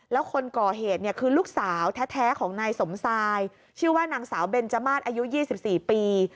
แล้วคนก่อเหตุเนี่ยคือลูกสาวแท้ของนายสมทรายชื่อว่านางสาวเบนจมาสอายุ๒๔ปี